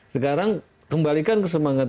sekarang kembalikan kesemangat